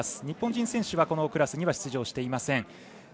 日本人選手はこのクラスには出場していません。